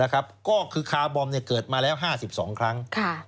ก็คือคาร์บอมเกิดมาแล้ว๕๒ครั้ง